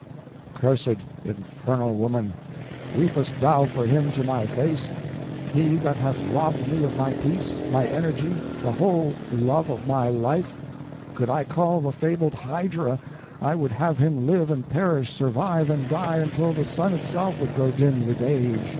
Cursed, infernal woman! Weepest thou for him to my face? He that hath robbed me of my peace, my energy, the whole love of my life? Could I call the fabled Hydra, I would have him live and perish, survive and die, until the sun itself would grow dim with age.